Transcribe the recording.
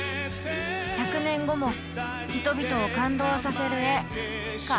「１００年後も人々を感動させる絵」か。